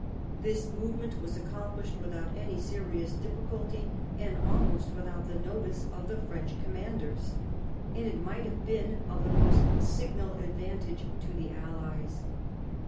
This movement was accomplished without any serious difficulty, and almost without the notice of the French commanders, and it might have been of the most signal advantage to the Allies.